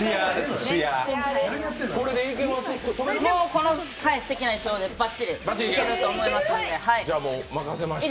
このすてきな衣装でばっちりいけると思いますので。